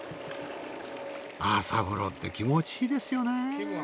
朝風呂って気持ちいいですよね。